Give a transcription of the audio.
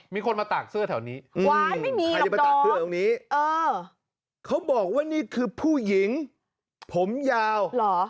มีคนมาตากเสื้อแถวนี้ไม่มีใครจะมาตากเสื้อตรงนี้เขาบอกว่านี่คือผู้หญิงผมยาวเหรอ